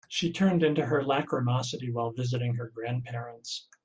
She turned into her lachrymosity while visiting her grandparents.